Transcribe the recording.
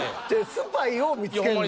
スパイを見つけんねん。